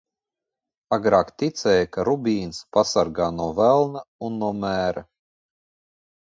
Agrāk ticēja, ka rubīns pasargā no velna un no mēra.